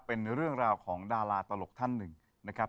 เป็นเรื่องราวของดาราตลกท่านหนึ่งนะครับ